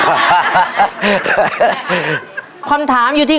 ชุดที่๔ห้อชุดที่๔